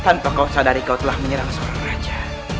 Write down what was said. tanpa kau sadari kau telah menyerang seorang raja